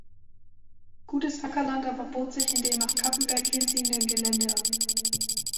Gutes Ackerland aber bot sich in dem nach Cappenberg hinziehenden Gelände an.